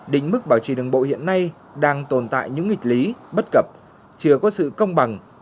định mức bảo trì đường bộ hiện nay đang tồn tại những nghịch lý bất cập chưa có sự công bằng